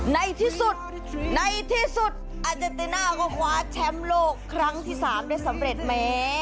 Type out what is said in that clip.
ในที่สุดในที่สุดอาเจนติน่าก็คว้าแชมป์โลกครั้งที่๓ได้สำเร็จแม้